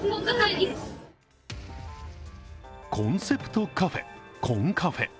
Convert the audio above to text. コンセプトカフェ、コンカフェ。